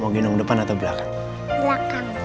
gendong depan atau belakang